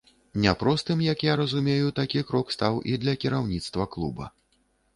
Няпростым, як я разумею, такі крок стаў і для кіраўніцтва клуба.